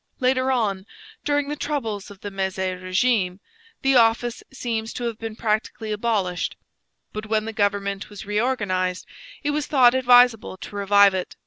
Later on, during the troubles of the Mezy regime, the office seems to have been practically abolished; but when the government was reorganized, it was thought advisable to revive it.